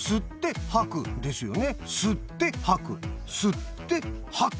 ですよね？